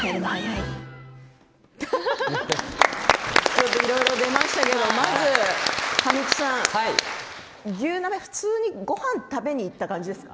私、まだいろいろ出ましたけれどもまず神木さん牛鍋、普通にごはんを食べに行った感じですか？